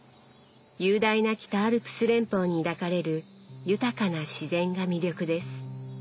雄大な北アルプス連峰に抱かれる豊かな自然が魅力です。